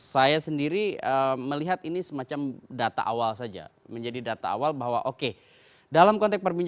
saya sendiri melihat ini semacam data awal saja menjadi data awal bahwa oke dalam konteks perbincangan